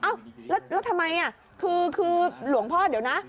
แล้วทำไมคือหลวงพ่อเดี๋ยวนะ